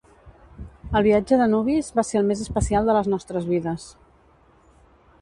El viatge de nuvis va ser el més especial de les nostres vides.